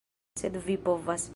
Sed vi povas...